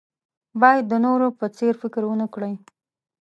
باید د نورو په څېر فکر ونه کړئ.